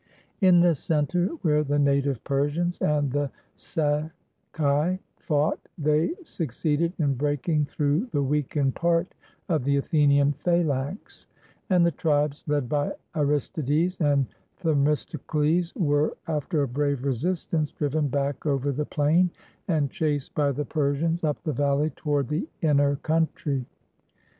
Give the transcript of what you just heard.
In the center, where the native Persians and the Sacae fought, they succeeded in breaking through the weak ened part of the Athenian phalanx; and the tribes led by Aristides and Themistocles were, after a brave resistance, driven back over the plain, and chased by the Persians up the valley toward the inner country.